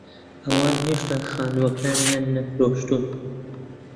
ئەوان هێشتا خانووەکانیان نەفرۆشتوون.